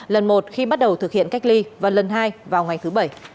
lần một khi bắt đầu thực hiện cách ly và lần hai vào ngày thứ bảy